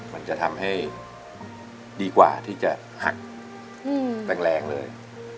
มันจะทำให้ดีกว่าที่จะหักแรงเลย